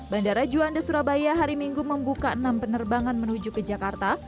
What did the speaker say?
bandara juanda surabaya hari minggu membuka enam penerbangan menuju ke jakarta